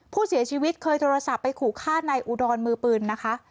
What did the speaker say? ผู้เสียชีวิตเคยโทรศัพท์ไปขู่ฆ่านายอุดรมือปืนนะคะ